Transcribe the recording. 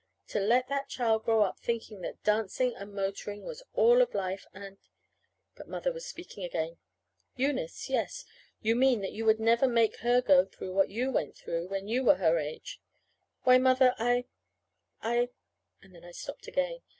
To let that child grow up thinking that dancing and motoring was all of life, and But Mother was speaking again. "Eunice yes. You mean that you never would make her go through what you went through when you were her age." "Why, Mother, I I " And then I stopped again.